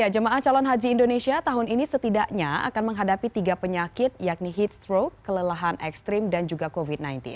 jemaah calon haji indonesia tahun ini setidaknya akan menghadapi tiga penyakit yakni heat stroke kelelahan ekstrim dan juga covid sembilan belas